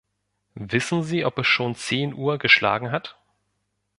Wissen Sie, ob es schon zehn Uhr geschlagen hat?